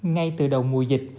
ngay từ đầu mùa dịch